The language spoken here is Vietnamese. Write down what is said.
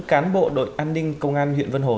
cán bộ đội an ninh công an huyện vân hồ